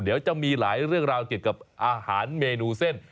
เดี๋ยวจะมีหลายเรื่องราวเกี่ยวกับอาหารเมนูเส้น